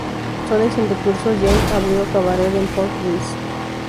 Sola y sin recursos, Jeanne abrió un cabaret en Port Louis.